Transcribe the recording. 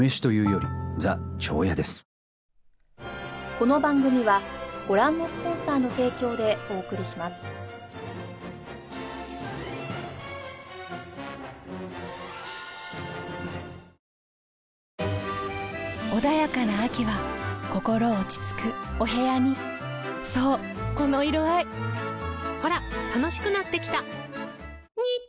ここの穏やかな秋は心落ち着くお部屋にそうこの色合いほら楽しくなってきた！